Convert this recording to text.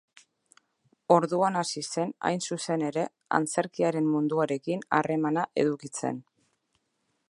Orduan hasi zen, hain zuzen ere, antzerkiaren munduarekin harremana edukitzen.